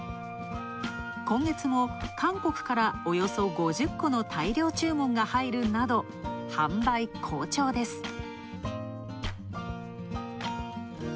今月も韓国から、およそ５０個の大量注文が入るなど、販売好調です。